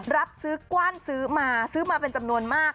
รับซื้อกว้านซื้อมาซื้อมาเป็นจำนวนมาก